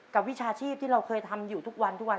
วิชาชีพที่เราเคยทำอยู่ทุกวันทุกวัน